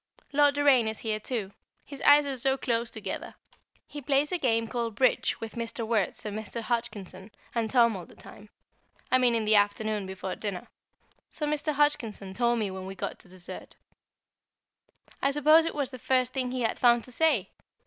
Lord Doraine is here too; his eyes are so close together! He plays a game called "Bridge" with Mr. Wertz and Mr. Hodgkinson and Tom all the time I mean in the afternoon before dinner so Mr. Hodgkinson told me when we got to dessert. I suppose it was the first thing he had found to say!